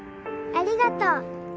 ありがとう。